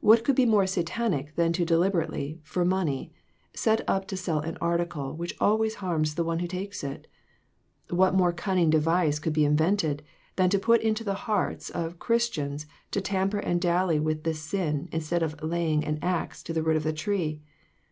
What could be more Satanic than to deliberately, for money, set up to sell an article which always harms the one who takes it ? What more cunning device could be invented, than to put it into the hearts of Chris tians to tamper and dally with this sin instead of laying the axe to the root of the tree?